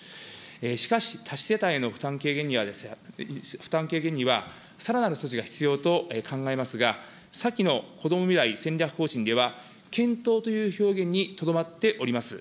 しかし、多子世帯の負担軽減には、さらなる措置が必要と考えますが、先のこども未来戦略方針では、検討という表現にとどまっております。